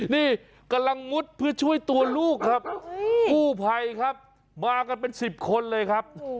นี่กำลังมุดเพื่อช่วยตัวลูกครับกู้ภัยครับมากันเป็น๑๐คนเลยครับ